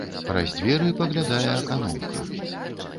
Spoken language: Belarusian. Праз дзверы паглядае аканомка.